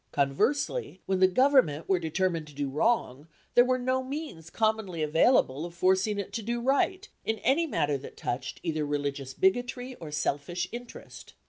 Conversely, when the Government were determined to do wrong, there were no means commonly available of forcing it to do right, in any matter that touched either religious bigotry or selfish interest.